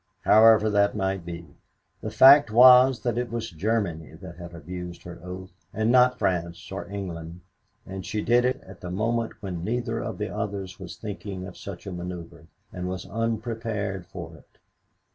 However that might be, the fact was that it was Germany that had abused her oath and not France or England, and she did it at the moment when neither of the others was thinking of such a maneuver and was unprepared for it.